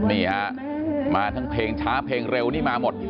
นี่ฮะมาทั้งเพลงช้าเพลงเร็วนี่มาหมด